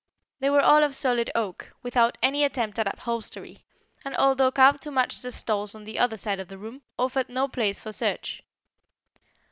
They were all of solid oak, without any attempt at upholstery, and although carved to match the stalls on the other side of the room, offered no place for search.